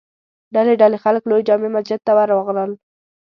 ډلې ډلې خلک لوی جامع مسجد ته ور راغلل.